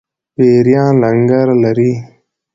پیران لنګر لري.